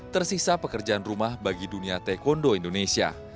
tersisa pekerjaan rumah bagi dunia taekwondo indonesia